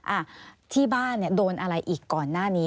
อ่ะที่บ้านเนี่ยโดนอะไรอีกก่อนหน้านี้